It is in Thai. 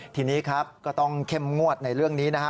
ทีนี้ครับก็ต้องเข้มงวดในเรื่องนี้นะฮะ